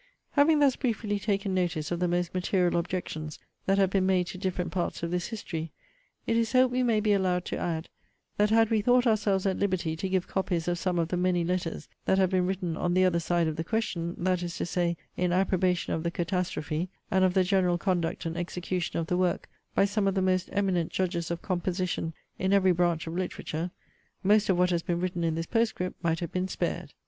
Having thus briefly taken notice of the most material objections that have been made to different parts of this history, it is hoped we may be allowed to add, that had we thought ourselves at liberty to give copies of some of the many letters that have been written on the other side of the question, that is to say, in approbation of the catastrophe, and of the general conduct and execution of the work, by some of the most eminent judges of composition in every branch of literature; most of what has been written in this Postscript might have been spared.